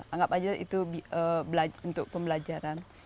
anggap aja itu untuk pembelajaran